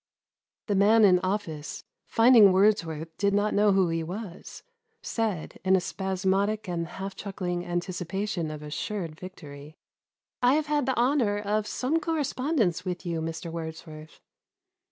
The nian in office, finding Wordsworth did not know who h« was, said, in a spasmodic and half chuckling anticipation of assured victory, " I have had the honour of some correspond ence with you, Mr. Wordsworth."